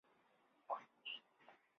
治所在汾阴县。